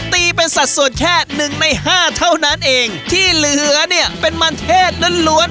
ตีเป็นสัดส่วนแค่หนึ่งในห้าเท่านั้นเองที่เหลือเนี่ยเป็นมันเทศล้วนล้วน